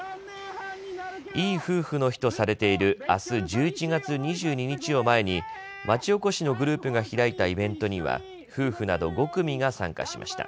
いい夫婦の日とされているあす１１月２２日を前に町おこしのグループが開いたイベントには夫婦など５組が参加しました。